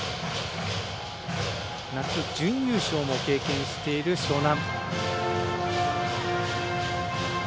夏、準優勝も経験している樟南。